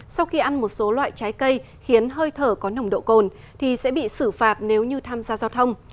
sau khi ăn một số loại trái cây khiến hơi thở có nồng độ cồn thì sẽ bị xử phạt nếu như tham gia giao thông